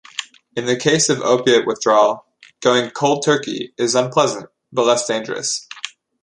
In the case of opiate withdrawal, going "cold turkey" is unpleasant but less dangerous.